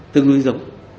tương lưu giống